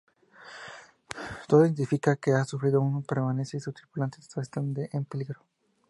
Todo indica que ha sufrido un percance y sus tripulantes están en peligro.